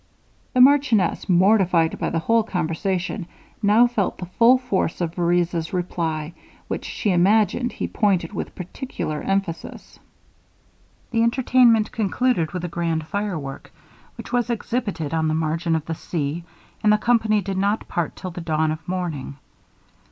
The marchioness, mortified by the whole conversation, now felt the full force of Vereza's reply, which she imagined he pointed with particular emphasis. The entertainment concluded with a grand firework, which was exhibited on the margin of the sea, and the company did not part till the dawn of morning.